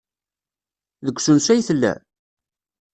Deg usensu ay tella?